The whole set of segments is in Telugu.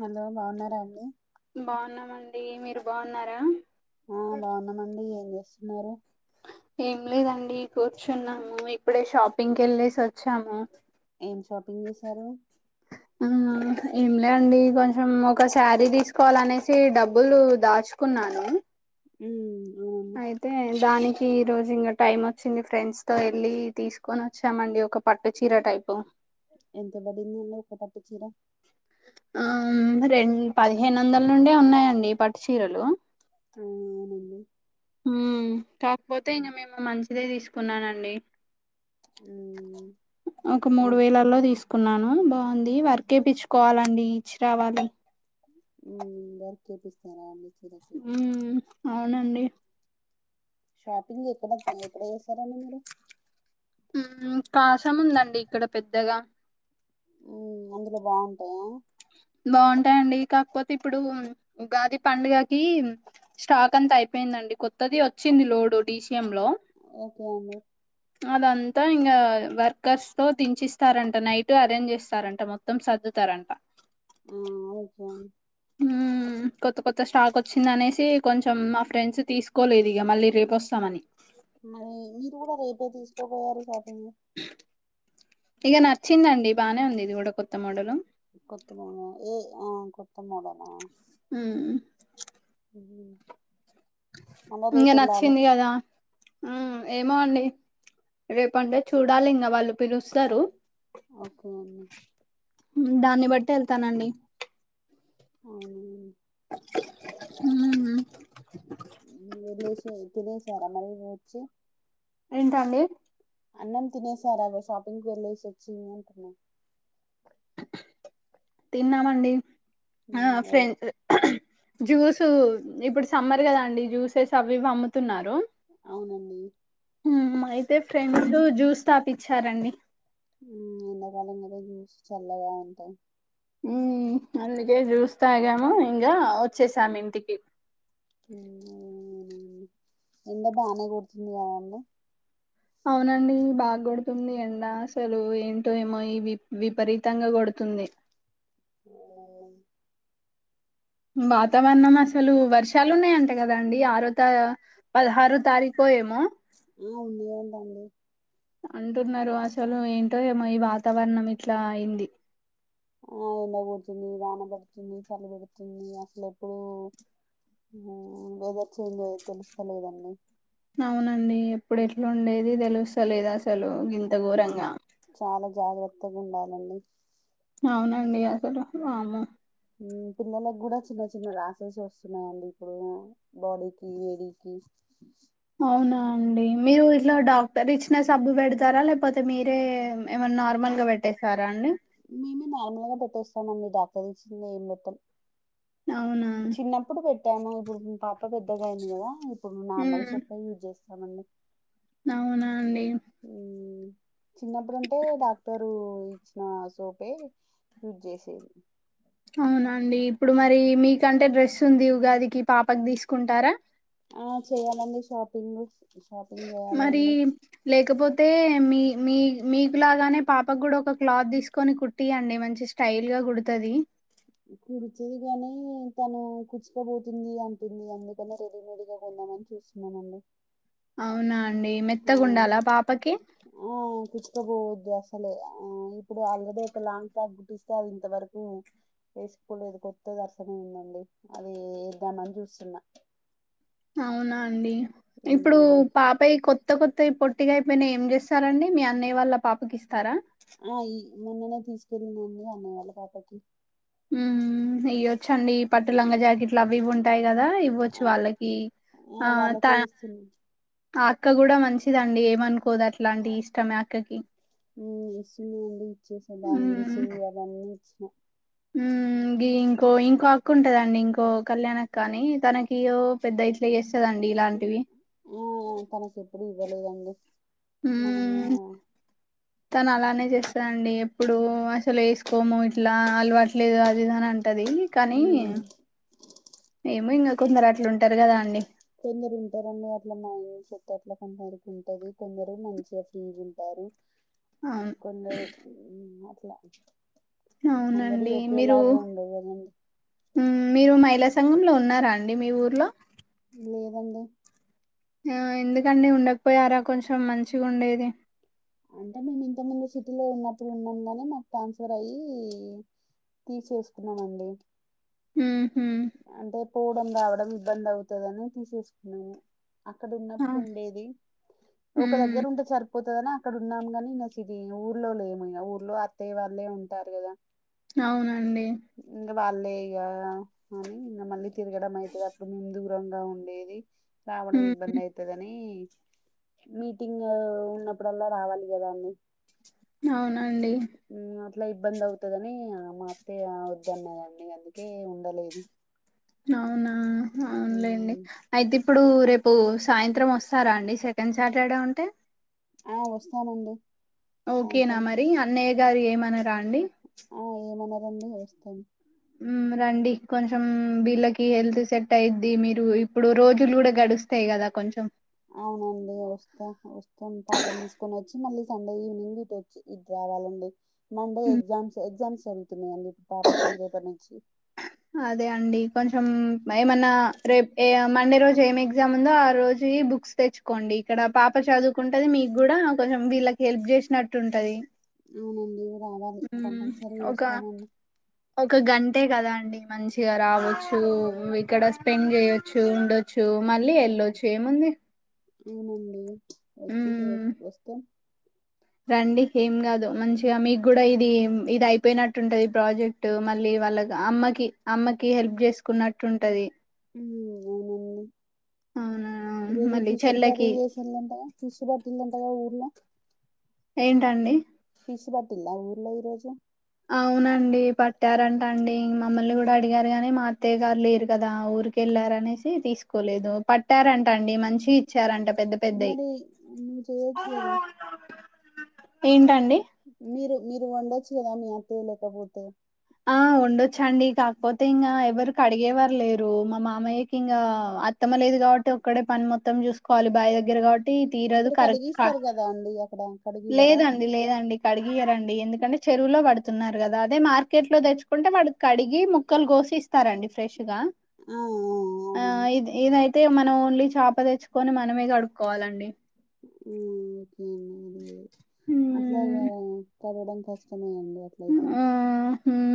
హలో బాగున్నారా అండి బాగున్నామండి మీరు బాగున్నారా ఆ బాగున్నామండి ఏం చేస్తున్నారు ఏం లేదండి కూర్చున్నాము ఇప్పుడే షాపింగ్ ఎళ్లేసి వచ్చాము ఏం షాపింగ్ చేశారు మ్ ఏంలే అండి కొంచెం ఒక శారీ తీసుకోవాలనేసి డబ్బులు దాచుకున్నా నాను ఉమ్ అవునండి అయితే దానికి ఈ రోజు ఇంగా టైమ్ వచ్చింది ఫ్రెండ్స్ తో వెళ్ళి తీసుకొని వచ్చామండి ఒక పట్టు చీర టైపు ఎంత పడిందండి ఒ ఒక పట్టు చీర ఆ రెం పదిహేను వందల నుండే ఉన్నాయండి పట్టు చీరలు ఆ అవునండి ఉ కాకపోతే ఇంగా మేము మంచిదే తీసుకున్నానండి ఉమ్ ఒక మూడు ఎన్ వేలల్లో తీసు కున్నాను బాగుంది వర్క్ వేయించుకోవాలండి ఇచ్చి రావాలి మ్ వర్క్ ఎపిస్తారా మీర్ ఉమ్ అవునండి షాపింగ్ ఎక్కడ ఎక్కడ చేశారండి మీరు ఉ కాషమ్ ఉందండి ఇక్కడ పెద్దగా మ్ అందులో బాగుంటాయా బాగుంటాయిండి కాకపోతే ఇప్పుడు ఉగాది పండు గకి స్టాక్ అంతా అయిపోయింది అండి కొత్తది వచ్చింది లోడ్ డిసఎం లో ఓకే అండి అదంతా ఇంకా వర్కర్స్ తో దించిస్తారంట నైట్ అరేంజ్ చేస్తారంట మొత్తం సదు ఇస్తారంట ఆ ఓకే మ్మ్ [inaudible] కొత్త కొత్త స్టాక్ వచ్చింది అనేసి కొంచెం మా ఫ్రెండ్స్ తీసుకోలేదు ఇగా మళ్ళీ రేపొస్తామని మరి మీరు గూడా రేపే తీసుకోపోయారు సార్ ఇగా నచ్చిందండి బానే ఉంది ఇది కూడా కొత్త మోడలు కొత్తమోడల్ ఏ ఆ కొత్త మెడలా ఉమ్ [unintelligible] మళ్ళా ఇంగా రేపు వెళ్ళాలా నచ్చిందిగదా ఏమో అండి రేపు అంటే చూడాలి ఇంకా వాళ్ళు పిలుస్తారు ఓకే అండి దాన్ని బట్టి వెళ్తానండి అవునా మ్మ్ హ్హ్ లేసి ఇప్పుడు ఒకటేసారా మళ్ళీ వచ్చి ఏంటండి అన్నం తినేేశారా షాపింగ్ కు వెళ్ళేసి వచ్చి ఇగా అంటున్నా తిన్నామండి ఆ ఉమ్, ఎల్- ఫ్రెంచ్ జ్యూస్ ఇప్పుడు సమ్మర్ కదండీ జ్యూసెస్ అవి ఇవి అమ్ముతున్నారు అవునండి మ్మ్ అయితే ఫ్రెండ్స్ జ్యూస్ తాపిచ్చారండి ఎంతకాలం కదా జ్యూస్ చల్లగా ఉంటదని మ్మ్ అందుకే జ్యూస్ తాగాము ఇంగా వచ్చేసాము ఇంటికి ఎండ బానే కొడుతోంది కదండీ అవునండి బాగా కొడుతుంది ఎండ అసలు ఏంటో ఏమో వ విపరీతంగా కొడు తుంది వాతావరణం అసలు వర్షాలు ఉన్నాయంటే కదండి ఆరో పదహారో తారీకు ఏమో ఉంది అంటా అండి అంటున్నారు అసలు ఏంటో ఏమో ఈ వాతావరణం ఇట్లా అయింది ఆ ఎండగోడుతుంది వానబడుతుంది చలి పెడుతుంది అసలు ఎప్పుడూ వెదర్ చేంజ్ తెలుస్తలేదండీ అవునండి ఎప్పుడు ఎట్లా ఉండేది తెలుస్తలేదు అసలు ఇంత ఘోరంగా కొత్తగా ఉండాలండి అవునండి అసలు వామ్మో పిల్లలకి కూడా చిన్న చిన్న రాసెస్ వస్తున్నాయండి ఇప్పుడు బాడీకి వేడీకి అవునా అండి మీరు ఇట్లా డాక్టర్ ఇచ్చిన సబ్బు పెడతారా లేకపోతే మీరే ఏమన్నా నార్మల్ గా పెట్టేేస్తారా అండి మేము నార్మల్ గా పెట్టేస్తామండి డాక్టర్ ఇచ్చింది ఏం పెట్టం అవునా తనేమో ఇప్పుడు పాప పెద్దగా అయింది కదా ఇప్పుడు నార్మల్ ఉమ్ సొప్ యూజ్ చేస్తామండి అవునా అండి చిన్నప్పుడంటే డాక్టరు ఇచ్చిన సోపే ఫీడ్ చేసేది అవునండి ఇప్పుడు మరి మీకంటే డ్రెస్ ఉంది ఉగాదికి పాపకి తీసుకుంటారా ఆ చేయ్యాలండి షాపింగ్ షాపింగ్ మరి చేయాలండి లేకపోతే మీ మీ మీకులాగానే పాపకు కూడా ఒక క్లాత్ తీసుకొని కుట్టియండి మంచి స్టైల్ గా కుడుతది కుడుతది గాని తను కుచ్చుకబోతుంది అంటుంది అందుకని రెడీమేడ్ గా కొన్నా భోజనం చేస్తున్నానండి అవునా అండి మెత్తగా ఉండాలా పాపకి వద్దు అసలే ఆ ఇప్పుడు ఆల్రెడీ ఒక లాంగ్ ఫ్రాక్ కుట్టిస్తే అది ఇంతవరకు వేసుకోలేదు కొత్తది అట్లనే ఉందండి అది ఏద్దామని చూస్తున్నా అవునా అండి ఇప్పుడు ఉమ్, నేను పాపయి కొత్త కొత్త కొత్తవి పొట్టిగా అయిపోయినా ఏం చేస్తారండి మీ అన్నయ వాళ్ళ పాపకి ఇస్తారా ఆ మొన్ననే తీసుకెళ్ళింది అన్నయ్య వాళ్ళ పాపకి హ్హ్ వేయ్యొచ్చండి పట్టులంగ జాకెట్లు అవి ఇవి ఉంటాయి వారికి ఇవ్వచ్చు ఆ వాళ్ళకి ఆ త వాళ్ళకే ఇస్తున్నా ఆ అక్క కూడా మంచిదండి ఏమనుకోదు అట్లా అంటి ఇష్టమే అక్కకి ఇస్తున్నా అండి ఇచ్చేసా బాంగిల్స్ అవన్నీ ఇచ్చిన ఇ ఇంకో ఇంకో అక్క ఉంటదండి ఇంకో కళ్యాణ్ అక్క అని తనకిో పెద్దయి ఆ తనకి ఎప్పుడు ఇవ్వాళేదండి మనము మ్మ్ తను అలానే చేస్తానండి ఎప్పుడు అసలు వేసుకోము ఇట్లా అలవట్లేదు అదిదని అంట ఉంటది కానీ ఉమ్ మేము ఇంకా కొందరు అట్ల ఉంటారు కదా అండి కొందరు ఉంటారండి అట్లా మా ఇం చెట్ అట్లా కొంతరికి ఉంటంది కొందరు మంచిగా ఫ్రీజ ఉంటారు అవును కొన్ని అ ట్లా అవునండి మీరు ఉండవు కదండి మీరు మైలా సంగంలో ఉన్నారా అండి మీ ఊర్లో లేదండి ఆ ఎందుకండి ఉండకపోయారా కొంచెం మంచిగా ఉండేది అంటే మేము ఇంతకుముందు సిటీలో ఉన్నప్పుడు ఉన్నాము కానీ మాకు ట్రాన్స్ఫర్ అయ్యి తీసేసుకున్నామండి మ్మ్ హ్మ్ అంటే పోవడం కావడం ఇబ్బంది అవుతుందని తీసేసుకున్నాము అక్కడ ఉన్నప్పుడు ఉండేది ఒక హ్మ్. దగ్గరు ఉంటే సరిపోతుదనా అక్కడ ఉన్నాము కాని నచ్చది ఊర్లో లే ఏమైనా ఊర్లో అత్త్య వాళ్ళే ఉంటారు కదా అవునా అండి ఇంగ వాళ్ళే ఇక అని నిన్న మళ్ళీ తిరగడం అయితది అప్పుడు ముందు ద్రంగా ఉండేది రావడం ఇబ్బంది హ్మ్. అయితదని మీటింగ్ ఉన్నప్పుడల్లా రావాలి కదా అన్డి అవునండి ఇట్లా ఇబ్బంది అవుతుందని ఆ మా అత్త్య వద్దన్నదాంన్ని అందుకే ఉండలేదు అవునా అవునులేండి మ్ అయితే ఇప్పుడు రేప్ ప్పు సాయంత్రం వస్తారా అండి సెకండ్ సాటర్డే ఉంటే ఆ వస్తామండి ఓకేనా సాయంత్రం మరి అన్నయ్య గారు ఏమనరా అండి సండే వస్తాను రండి కొంచెం వీళ్ళకి హెల్త్ సెట్ అయిద్ది మీరు ఇప్పుడు రోజులు కూడా గడుస్తాయి కదా కొంచెం అవునండి వస్తా వస్తాం పాపం తీసుకొని వచ్చి మళ్ళీ సండే ఈవినింగ్ ఇటుొచ్చి ఇట్ రావాలండి మండే హ్మ్. ఎగ్జామ్స్ ఎగ్జామ్స్ జరుగుతున్నాయండి పాపకి రేపటి నుంచి అదే అండి కొంచం ఏమన్నా రేపు ఏ మండే రోజు ఏం ఎగ్జామ్ ఉందో ఆ రోజు బుక్స్ తెచ్చుకోండి ఇక్కడ పాప చదువుకుంటది మీకు కూడా కొంచెం వీళ్ళకి హెల్ప్ చేసినట్టుంటది అవునండి రావాలి కంపల్సరీ ఒక వస్తామండి ఒక గంటే కదా అండి మంచిగా రావచ్చు ఇక్కడ స్పెండ్ చేయొచ్చు ఉండొచ్చు మళ్ళీ వెళ్ళొచ్చు ఏముంది అవునండి వచ్చి చే మ్మ్ వస్తాం రండి ఏం కాదు మంచిగా మీకు కూడా ఇది ఇది అయిపోయినట్టుంటది ప్రాజెక్ట్ మళ్ళీ వాళ్ళకు అమ్మకి అమ్మకి హెల్ప్ చేసుకున్నట్టుంటది అవునా ఈ రోజు మళ్ళీ ఫిష్ కర్రీ చెల్లకి చేసిళంట కదా ఫిష్ పెట్టిండ్రా ట ఊర్లో ఏంటండి ఫిష్ పట్టిన్ డా ఊర్లో ఈ రోజు అవునండి పట్టారంట అండి మమ్మల్ని కూడా అడిగారు గాని మా అత్తయ్య గారు లేరు కదా ఊర్ కెళ్లారనేసీ తీసుకోలేదు పట్టారంట అండి మంచియి ఇచ్చారంట పెద్ద పెద్దయి మరి నువ్వు చేయొచ్చు కదా ఏంటండి మీరు మీరు వండొచ్చు కదా అండి మీ అత్తయ్య లేకపోతే ఆ ఉండొచ్చండి కాకపోతే ఇంకా ఎవరరూ కడిగేవారు లేరు మా మామయ్యకి ఇంగా అత్తమ లేదు కాబట్టి ఒక్కడే పని మొత్తం చూసుకోవాలి బాయ దగ్గర కాబ తీరదు అక్కడ కరక్క కడిగిస్తారు కదా అండి అక్కడ కడిగివ్వరా లేదండి లేదండి కడి ఇయర అండి ఎందుకంటే చెరువులో పడుతున్నారు కదా అదే మార్ కేజీలు లో తెచ్చుకుంటే వాడికి కడిగి ముక్కలు కోసి ఇస్తారండి ఫ్రెష్ గా ఆ, ఆ, ఆ అవునండి ఇది ఏదై తే మనం ఓన్లీ చేప తెచ్చుకొని మనమే కడుక్కోవాలండి ఉ హ్మ్. అట్లాగే కడగడం కష్టమే అండి అట్లయితే ఆ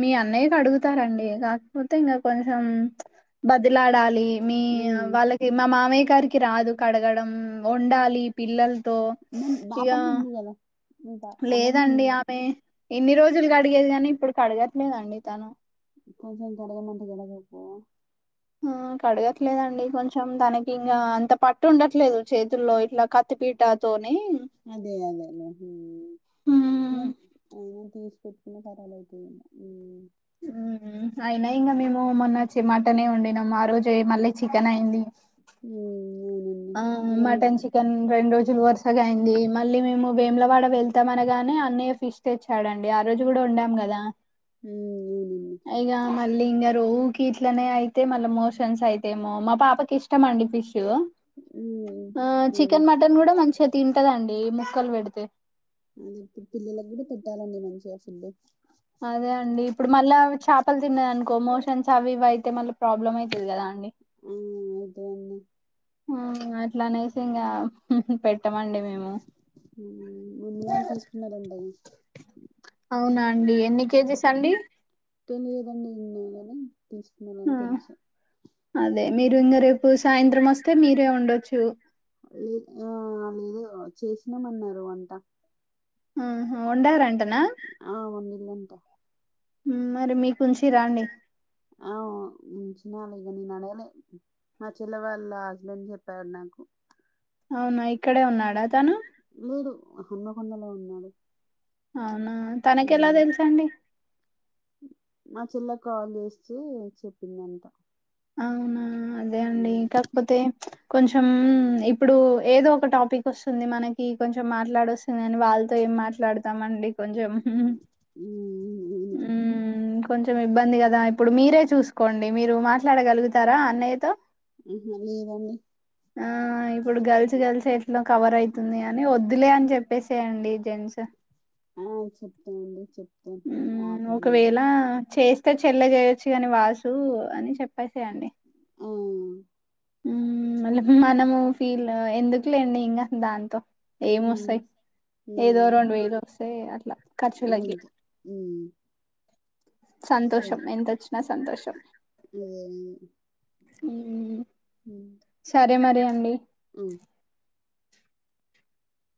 మీ అన్నయ్యకి అడుగుతారంండి కాకపోతే ఇంకా కొంచెం బదిలాడాలి మీ ఉమ్. వాళ్ళకి మా మామయ్య గారికి రాదు కడగడం వండాలి పిల్లలు మీ బాపమ్మ ఉంది కదా ఇంకా అమ్మమ్మ లేదండి ఉంది ఆమె ఎన్ని రోజులు అడిగేది కానీ ఇప్పుడు కడగట్లేదండి తను కొంచెం కడగంటి అంటే కడగకపోవ ఆ కడగట్లేదండి కొంచెం తనకి ఇంగా అంత పట్టు ఉండట్లేదు చేతుల్లో ఇట్లా కత్తిపీటాతోని అదే అదే మరి తీసి పెట్ నా కడగలేక పోయిన ఇగ అయినా ఇంకా మేము మొన్న మటనే వండినాం ఆ రోజే మళ్ళీ చికెన్ అయింది ఉ ఆ మటన్ చికెన్ రెం రోజు వరుసగా అయింది మళ్ళీ మేము వేములవాడ వెళ్తాంమనగానే అన్నయ ఫిష్ తెచ్చాడండి ఆ రోజు కూడా వండాం గదా ఉవు మళ్ళీ ఇంకా రో కీట్లనే అయితే మళ్ళీ మోషన్స్ అయితేమో మా పాపకి ఇష్టం అండి పిష్ ఉమ్, ఆ అవును చికెన్ మటన్ కూడా మంచిగా తింటదండి ముక్కలు పెడితే అది ఇప్పుడు పిల్లలకు కూడా పెట్టాలండి మంచిగా ఫుడ్ అదే అండి ఇప్పుడు మళ్ళా చేపలు తిన్నద అనుకో మోషన్స్ అవి ఇవి అయితే మళ్ళా ప్రాబ్లమ్ అవుతుది కదా అండి అ అవుతదండి ఆ అట్లానేసి ఇంకా పెట్ ముందు వాళ్ళు తీసుకున్నంటగా అవునా అండి ఎన్ని కేజీస్ అండి తెలియదండి నిన్న కానీ తీసుకున్నానుని ఆ. తెలుసు అదే మీరు ఇంగ రేపు సాయంత్రం వస్తే మీరే ఉండొచ్చు లేదు ఆ లేదు చేసినామన్నారు వంట ఊ హు వండారంటనా ఉలంద ఊ మరి మీకుచిర్ర రండి అవు ఉంచినాలే ఇక నేను అడగలే మా చెల్ల వాళ్ళ హస్బెండ్ చెప్పారు నాకు అవునా ఇక్కడే ఉన్నాడా తను లేడు హన్మకొండలో ఉన్నాడు అవునా తనకి ఎలా మ్మ్ తెలుసండి చిల్ల కాల్ జేస్తే చెప్పిందంట అవునా అదే అండి మ్మ్ కాకపోతే కొంచెం ఇప్పుడు ఏదో ఒక టాపిక్ వస్తుంది మనకి కొంచెం మాట్లాడొస్తుంది అని వాళ్ళతో మాట్లాడుతామండి కొంచెం ఊ కొంచెం ఇబ్బంది కదా ఇప్పుడు మీరే చూసుకోండి మీరు మాట్లాడగలుగుతారా అన్నయ్యతో ఆహా లేదండి ఆ ఇప్పుడు గల్స్ గల్సే ఏట్ లో కవర్ అయితుంది అని వద్దులే అని చెప్పేసేయంండి జెంట్స్ ఆ చెప్తానండి చెప్తా ఆపిట్ నిజ చెల్ల చేయొచ్చు కాని వాసు అని చెప్ ఆ ఉమ్ మల్ల మనము ఫీల్ ఎందుకులేండి ఇంగ దాంతో ఏం మ్మ్ వస్తాయి ఏదో మ్మ్ రెండు వేలు వస్తాయి అట్లా ఖర్చులకి ఉ సంతోషం ఎంతొచ్చినా సంతోషం అదే అదే మ్ ఉ మ్మ్ సరే మరి అండి మ్మ్